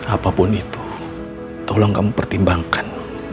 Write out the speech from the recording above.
apapun itu tolong kamu pertimbangkan